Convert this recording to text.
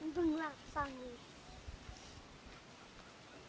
ดูรอบสองรูป